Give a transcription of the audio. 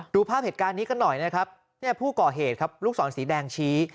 ดูภาพเหตุการณ์นี้กันหน่อยนะครับเนี่ยผู้ก่อเหตุครับลูกศรสีแดงชี้